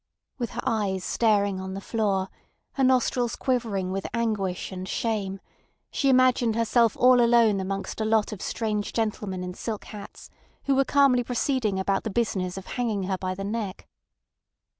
With her eyes staring on the floor, her nostrils quivering with anguish and shame, she imagined herself all alone amongst a lot of strange gentlemen in silk hats who were calmly proceeding about the business of hanging her by the neck.